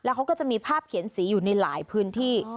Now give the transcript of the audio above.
เขาก็จะมีภาพเขียนสีอยู่ในหลายพื้นที่